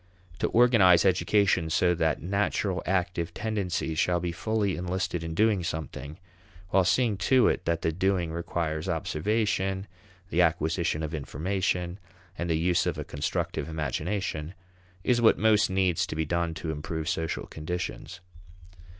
To organize education so that natural active tendencies shall be fully enlisted in doing something, while seeing to it that the doing requires observation, the acquisition of information, and the use of a constructive imagination, is what most needs to be done to improve social conditions.